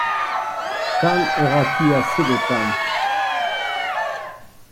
Quand auras-tu assez de temps ?